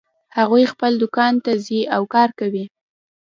هغوی خپل دوکان ته ځي او کار کوي